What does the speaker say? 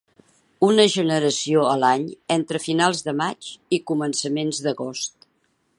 Una generació a l'any entre finals de maig i començaments d'agost.